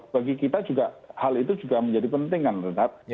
bagi kita hal itu juga menjadi penting kan redhat